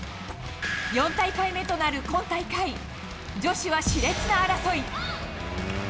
４大会目となる今大会、女子はしれつな争い。